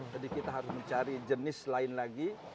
jadi kita harus mencari jenis lain lagi